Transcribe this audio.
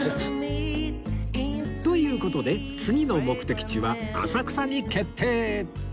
という事で次の目的地は浅草に決定！